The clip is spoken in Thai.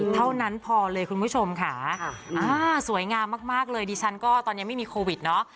เท่านั้นพอเลยคุณผู้ชมค่ะอ่าสวยงามมากเลยดิฉันก็ตอนนี้ไม่มีโควิดเนาะ